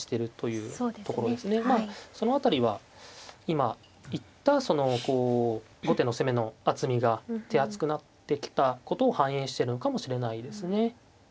まあその辺りは今言ったそのこう後手の攻めの厚みが手厚くなってきたことを反映してるのかもしれないですね。